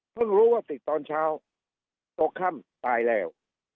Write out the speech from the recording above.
รู้ว่าติดตอนเช้าตกค่ำตายแล้ว